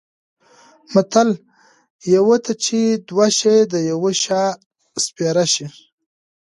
متل: یوه ته چې دوه شي د یوه شا سپېره شي.